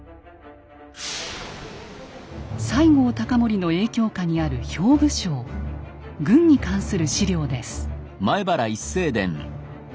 西郷隆盛の影響下にある兵部省軍に関する史料です。